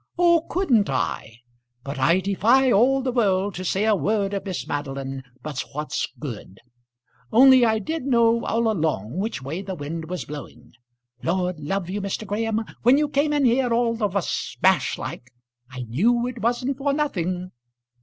"Oh, couldn't I? But I defy all the world to say a word of Miss Madeline but what's good, only I did know all along which way the wind was blowing. Lord love you, Mr. Graham, when you came in here all of a smash like, I knew it wasn't for nothing."